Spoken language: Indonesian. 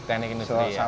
teknik industri ya